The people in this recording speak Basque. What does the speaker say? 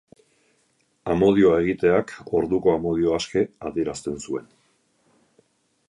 Amodioa egiteak orduko amodio aske adierazten zuen.